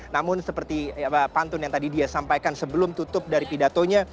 namun seperti pantun yang tadi dia sampaikan sebelum tutup dari pidatonya